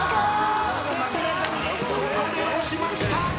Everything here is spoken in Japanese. ここで押しました。